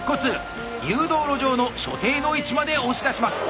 誘導路上の所定の位置まで押し出します。